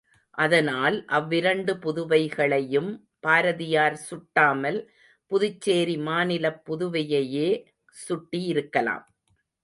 அதனால் அவ்விரண்டு புதுவைகளையும் பாரதியார் சுட்டாமல் புதுச்சேரி மாநிலப் புதுவையையே சுட்டியிருக்கலாம்.